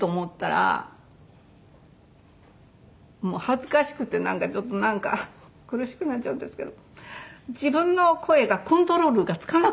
恥ずかしくてちょっとなんか苦しくなっちゃうんですけど自分の声がコントロールがつかなくなっちゃったの。